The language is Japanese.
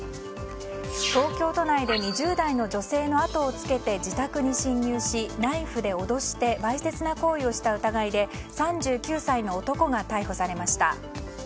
東京都内で２０代の女性の後をつけて自宅に侵入し、ナイフで脅してわいせつな行為をした疑いで３９歳の男が逮捕されました。